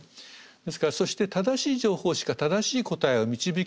ですからそして正しい情報しか正しい答えは導けないわけですね。